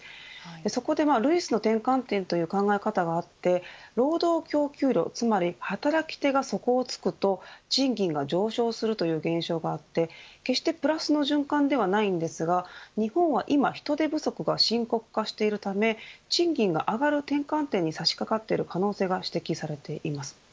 そこでルイスの転換点という考え方があって労働供給量つまり、働き手が底をつくと賃金が上昇するという現象があって決してプラスの循環ではないんですが日本は今、人手不足が深刻化しているため賃金が上がる転換点に差し掛かっている可能性が指摘されています。